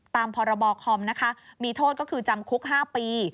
ตามพคมมีโทษก็คือจำคุก๕ปี